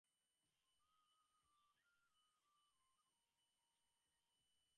ঘুমের মধ্যে মানুষ হাত নাড়ে, পা নাড়ে- আমি তার কিছুই করি না।